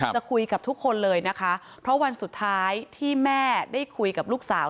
จะคุยกับทุกคนเลยนะคะเพราะวันสุดท้ายที่แม่ได้คุยกับลูกสาว